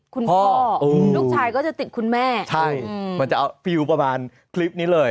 คุณพ่อลูกชายก็จะติดคุณแม่ใช่มันจะเอาฟิลประมาณคลิปนี้เลย